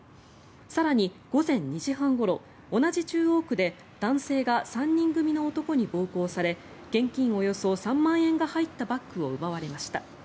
更に、午前２時半ごろ同じ中央区で男性が３人組の男に暴行され現金およそ３万円が入ったバッグを奪われました。